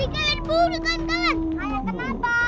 ikan paus ini ekor ya